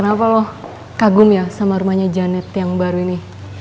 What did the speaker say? kenapa loh kagum ya sama rumahnya janet yang baru ini